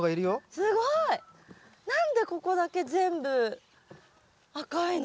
すごい！何でここだけ全部赤いの？